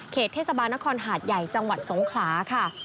เทศบาลนครหาดใหญ่จังหวัดสงขลาค่ะ